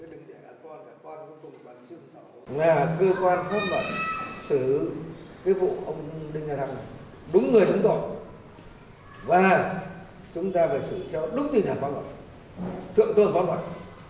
cơ quan bảo vệ pháp luật xét xử đúng người đúng tội đúng pháp luật